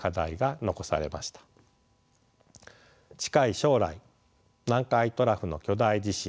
近い将来南海トラフの巨大地震